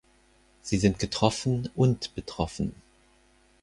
Wir sind getroffen und betroffen.